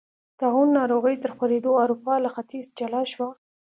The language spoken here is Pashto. طاعون ناروغۍ تر خپرېدو اروپا له ختیځې جلا شوه.